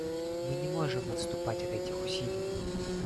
Мы не можем отступать от этих усилий.